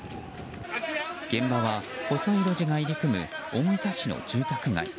現場は、細い路地が入り組む大分市の住宅街。